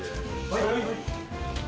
はい！